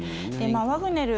ワグネル